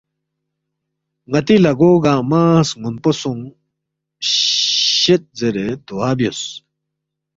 نتی لہ گو گانگمہ سنگونپو سونگ شید زیرے دعا بیوس